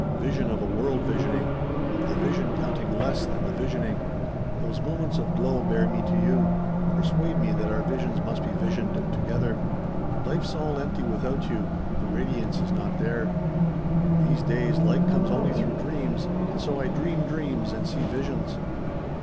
Vision of a world visioning. Of the vision counting less than the visioning. "Those moments of glow bear me to you. Persuade me that our visions must be visioned together. "Life's all empty without you. The radiance is not there. In these days light comes only through dreams, and so I dream dreams and see visions.